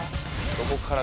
どこから？